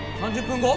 ３０分後！？